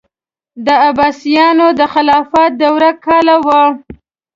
د عباسیانو د خلافت دوره کاله وه.